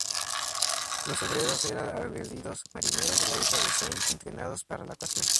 Los obreros era aguerridos marineros de la isla de Sein, entrenados para la ocasión.